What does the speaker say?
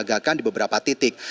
tentara disiagakan di beberapa titik